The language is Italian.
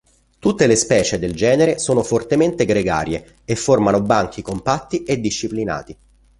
Tutte le specie del genere sono fortemente gregarie e formano banchi compatti e disciplinati.